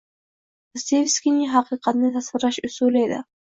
Dostoevskiyning haqiqatni tasvirlash usuli edi.